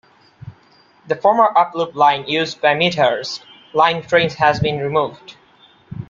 The former up loop line used by Midhurst line trains has been removed.